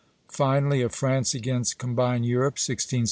FINALLY, OF FRANCE AGAINST COMBINED EUROPE, 1674 1678.